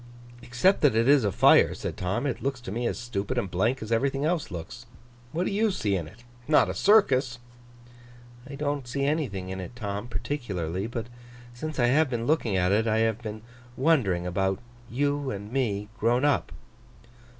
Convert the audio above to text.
'Except that it is a fire,' said Tom, 'it looks to me as stupid and blank as everything else looks. What do you see in it? Not a circus?' 'I don't see anything in it, Tom, particularly. But since I have been looking at it, I have been wondering about you and me, grown up.